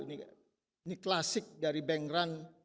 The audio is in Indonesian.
ini klasik dari bank run